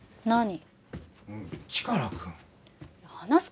何？